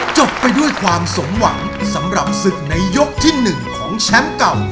จบไปด้วยความสมหวังสำหรับศึกในยกที่๑ของแชมป์เก่า